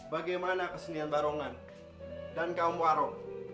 bagaimana kesenian barongan dan kaum waro